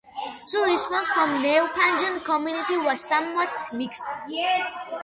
The response from the Neopagan community was somewhat mixed.